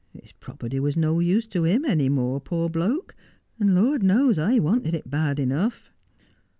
His property was no use to him any more, poor bloke : and Lord knows I wanted it bad enough.'